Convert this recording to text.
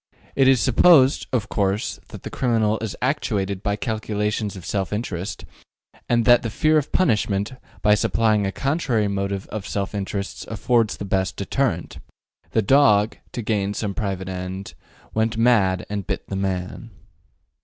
'' It is supposed, of course, that the criminal is actuated by calculations of self interest, and that the fear of punishment, by supplying a contrary motive of self interest affords the best deterrent, The dog, to gain some private end, Went mad and bit the man.